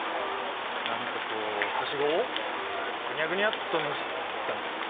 何かこうはしごをグニャグニャッとねじったみたいな。